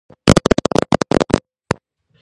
ამ ამბავმა ცხოველთა სამყაროში გამოიწვია არეულობა.